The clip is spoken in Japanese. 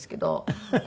フフフフ。